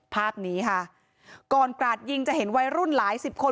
ภาพนี้ค่ะก่อนกราดยิงจะเห็นวัยรุ่นหลายสิบคน